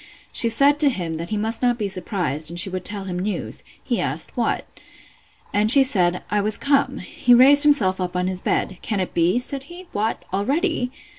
She said to him, that he must not be surprised, and she would tell him news. He asked, What? And she said, I was come. He raised himself up in his bed; Can it be? said he—What, already!